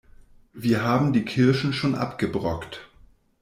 Wir haben die Kirschen schon abgebrockt.